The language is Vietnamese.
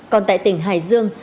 còn tại tỉnh hải dương